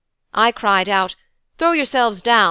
I cried out, "Throw yourselves down!